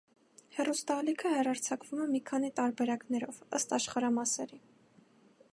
Հեռուստաալիքը հեռարձակվում է մի քանի տարբերակներով՝ ըստ աշխարհամասերի։